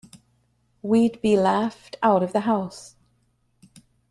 We'd be laughed out of the house.